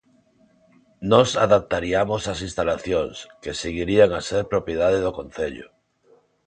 Nós adaptariamos as instalacións, que seguirían a ser propiedade do concello.